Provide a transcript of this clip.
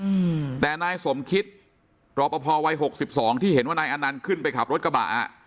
อืมแต่นายสมคิตรอปภวัยหกสิบสองที่เห็นว่านายอนันต์ขึ้นไปขับรถกระบะอ่ะ